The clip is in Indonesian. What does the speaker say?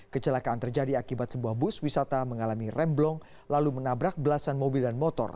kecelakaan terjadi akibat sebuah bus wisata mengalami remblong lalu menabrak belasan mobil dan motor